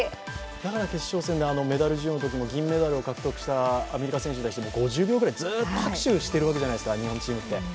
だから決勝戦でメダル授与のときも銀メダルを獲得したアメリカ選手、５０秒ぐらい拍手しているわけじゃないですか、日本の選手って。